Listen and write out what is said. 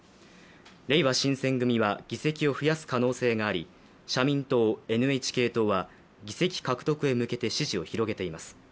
れいわ新選組は議席を増やす可能性があり、社民党、ＮＨＫ党は議席獲得へ向けて支持を広げています。